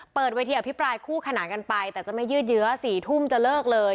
เปิดเวทีอภิปรายคู่ขนานกันไปแต่จะไม่ยืดเยื้อ๔ทุ่มจะเลิกเลย